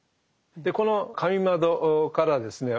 でこの神窓からですね